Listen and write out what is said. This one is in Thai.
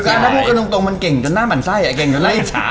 ถ้าพูดกันตรงมันเก่งจนหน้าหมั่นไส้มันเก่งจนได้ช้า